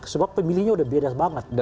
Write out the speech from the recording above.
sebab pemilihnya udah beres banget